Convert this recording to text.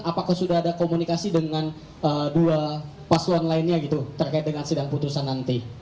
apakah sudah ada komunikasi dengan dua paslon lainnya gitu terkait dengan sidang putusan nanti